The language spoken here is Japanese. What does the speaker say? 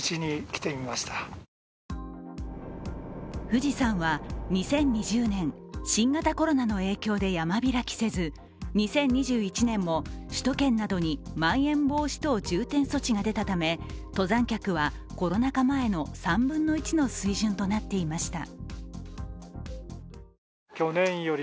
富士山は２０２０年、新型コロナの影響で山開きせず２０２１年も、首都圏などにまん延防止等重点措置が出たため登山客はコロナ禍前の３分の１の水準となっていました。